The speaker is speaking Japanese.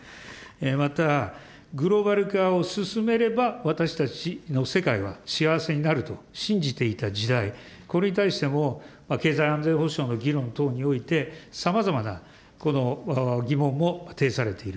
また、グローバル化を進めれば、私たちの世界は幸せになると信じていた時代、これに対しても、経済安全保障の議論等において、さまざまな疑問も呈されている。